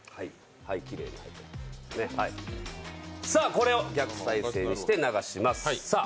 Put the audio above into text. これを逆再生して流します。